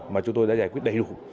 mà chúng tôi đã giải quyết đầy đủ